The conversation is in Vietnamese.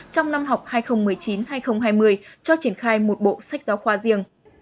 trong năm học hai nghìn một mươi chín hai nghìn hai mươi cho triển khai một bộ sách giáo khoa riêng